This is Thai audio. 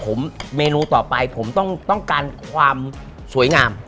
ผมเมนูต่อไปผมต้องการความสวยงาม